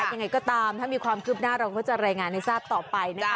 ยังไงก็ตามถ้ามีความคืบหน้าเราก็จะรายงานให้ทราบต่อไปนะคะ